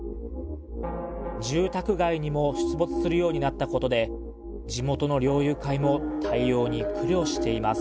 住宅街にも出没するようになったことで地元の猟友会も対応に苦慮しています